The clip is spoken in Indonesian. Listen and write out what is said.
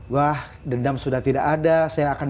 wah dendam sudah tidak ada saya akan